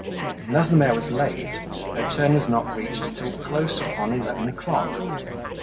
And as the mayor was late, their turn was not reached till close upon eleven o'clock.